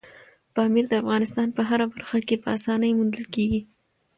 پامیر د افغانستان په هره برخه کې په اسانۍ موندل کېږي.